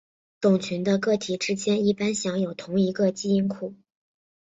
种群的个体之间一般享有同一个基因库。